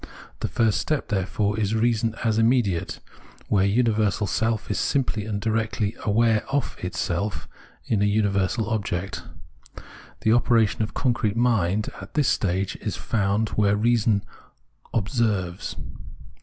The first step therefore is reason as immediate — where universal self is simply and directly aware of itself in a universal object. The operation of concrete mind at this stage is found where reason " observes."